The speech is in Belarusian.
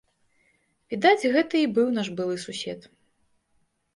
Відаць, гэта і быў наш былы сусед.